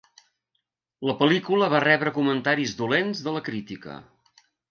La pel·lícula va rebre comentaris dolents de la crítica.